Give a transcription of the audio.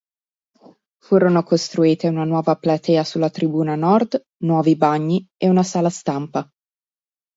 Furono costruite una nuova platea sulla tribuna nord, nuovi bagni, e una sala stampa.